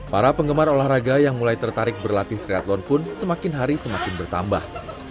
para penggemar olahraga yang mulai tertarik berlatih triathlon pun semakin hari semakin bertambah